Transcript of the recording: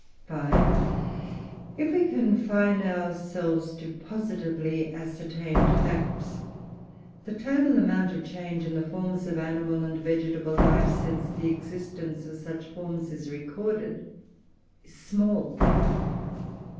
5. If we confine ourselves to positively ascertained facts, the total amount of change in the forms of animal and vegetable life, since the existence of such forms is recorded, is small.